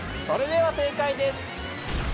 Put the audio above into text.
それでは正解です。